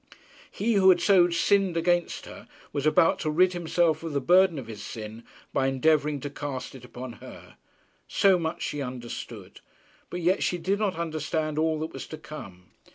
He who had so sinned against her was about to rid himself of the burden of his sin by endeavouring to cast it upon her. So much she understood, but yet she did not understand all that was to come.